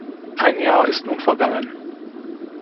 Ein Jahr ist nun vergangen.